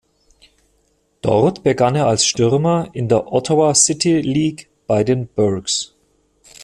Dort begann er als Stürmer in der "Ottawa City League" bei den "Burghs".